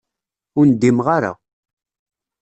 Ur ndimeɣ ara.